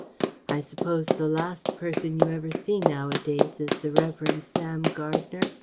I suppose the last person you ever see nowadays is the Revd. Sam Gardner?